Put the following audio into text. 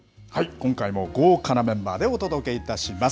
今回も豪華なメンバーでお届けいたします。